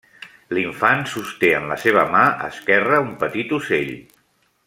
L'Infant sosté en la seva mà esquerra un petit ocell.